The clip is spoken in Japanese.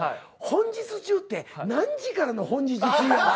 本日中って何時からの本日中やねん。